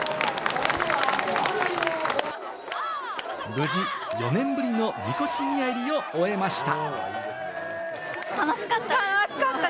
無事４年ぶりの神輿宮入を終えました。